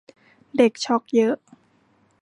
เด็กช็อคเยอะ